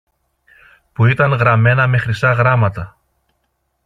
που ήταν γραμμένα με χρυσά γράμματα